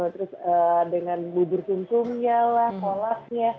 terus dengan bubur tuntungnya lah kolasnya